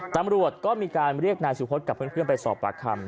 ตำรวจก็มีการเรียกนายสุพธกับเพื่อนไปสอบปากคำ